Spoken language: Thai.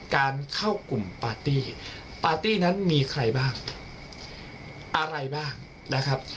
การเข้ากลุ่มปาร์ตี้ปาร์ตี้นั้นมีใครบ้างอะไรบ้างนะครับ